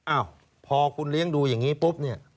อ้าวพอคุณเลี้ยงดูอย่างนี้ปุ๊บเนี่ย